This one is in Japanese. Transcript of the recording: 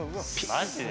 マジで？